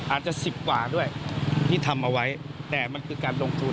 อาจจะ๑๐กว่าด้วยที่ทำเอาไว้แต่มันคือการลงทุน